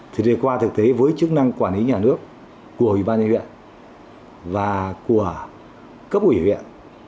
thì đề qua thực tế với chức năng quản lý nhà nước của ủy ban nhân huyện và của cấp ủy huyện